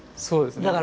そうですね。